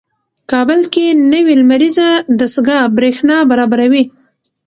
کابل کې نوې لمریزه دستګاه برېښنا برابروي.